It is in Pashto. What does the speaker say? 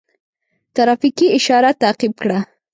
ترافیکي اشاره تعقیب کړه.